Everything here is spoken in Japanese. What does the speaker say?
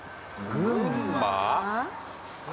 群馬？